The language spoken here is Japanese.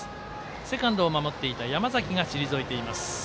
セカンドを守っていた山崎が退いています。